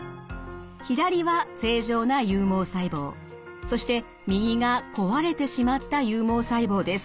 左は正常な有毛細胞そして右が壊れてしまった有毛細胞です。